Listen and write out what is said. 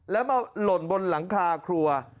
แล้วมาหล่นบนหลังคาครัว